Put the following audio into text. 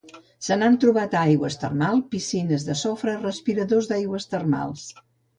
Se n'han trobat a aigües termals, piscines de sofre, respiradors d'aigües termals.